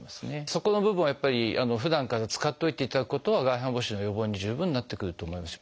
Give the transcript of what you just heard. そこの部分をやっぱりふだんから使っといていただくことは外反母趾の予防に十分なってくると思います。